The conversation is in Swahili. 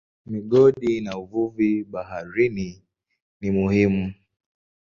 Migodi na uvuvi baharini ni muhimu.